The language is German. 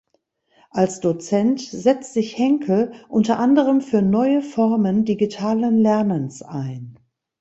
Als Dozent setzt sich Henkel unter anderem für neue Formen digitalen Lernens ein.